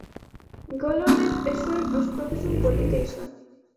Gol honek ez zuen ospakizun polita izan.